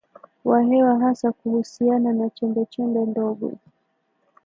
wa hewa hasa kuhusiana na chembechembe ndogo